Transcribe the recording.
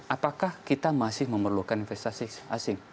apakah kita masih memerlukan investasi asing